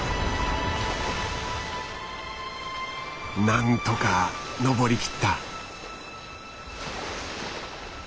何とか登りきった。